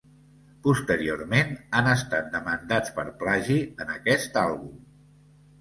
Posteriorment han estat demandats per plagi en aquest àlbum.